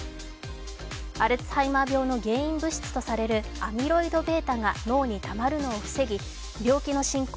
アルツハイマー病の原因物質とされるアミロイドβが脳にたまるのを防ぎ病気の進行